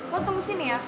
mau tunggu sini ya